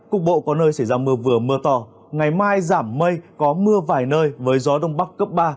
cục bộ có nơi xảy ra mưa vừa mưa to ngày mai giảm mây có mưa vài nơi với gió đông bắc cấp ba